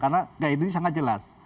karena ini sangat jelas